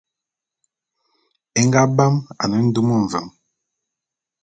É nga bam ane ndum mveng.